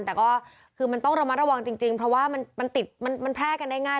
แต่ก็คือมันต้องระมัดระวังจริงเพราะว่ามันติดมันแพร่กันได้ง่าย